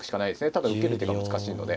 ただ受ける手が難しいので。